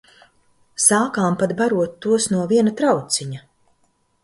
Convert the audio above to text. Sākām pat barot tos no viena trauciņa.